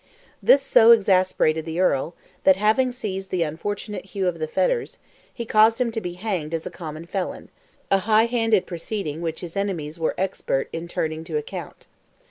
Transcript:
This so exasperated the Earl, that, having seized the unfortunate Hugh of the fetters, he caused him to be hanged as a common felon—a high handed proceeding which his enemies were expert in turning to account.